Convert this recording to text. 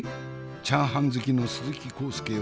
チャーハン好きの鈴木浩介よ